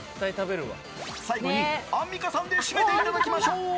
最後にアンミカさんで締めていただきましょう。